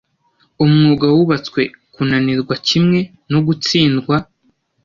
Umwuga wubatswe kunanirwa kimwe no gutsindwa